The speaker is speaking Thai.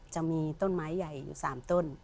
จะมีต้นไม้ใหญ่อยู่๓ต้น